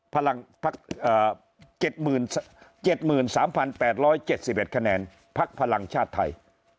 ภักดิ์๗๓๘๗๑คะแนนภักดิ์พลังชาติไทย